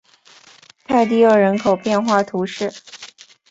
泰蒂厄人口变化图示